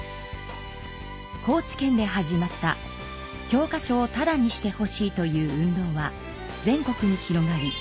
高知県で始まった教科書をタダにしてほしいという運動は全国に広がり